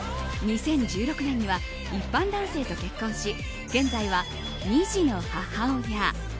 ２０１６年には一般男性と結婚し現在は、２児の母親。